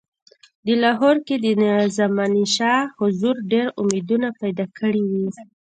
د لاهور کې د زمانشاه حضور ډېر امیدونه پیدا کړي وه.